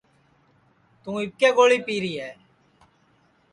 توں اِٻکے گوݪی پیری ہے